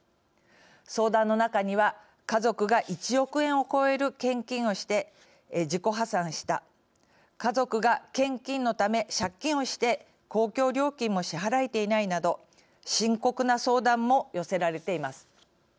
相談の中には家族が１億円を超える献金をして自己破産した家族が献金のため借金をして公共料金も支払えていないなど深刻な相談も寄せられています。